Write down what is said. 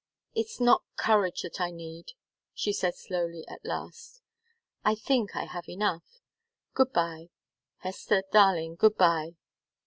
"It's not courage that I need," she said slowly, at last. "I think I have enough good bye Hester, darling good bye!"